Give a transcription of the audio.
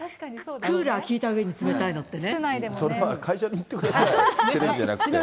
クーラー効いたうえに、冷たいのってね。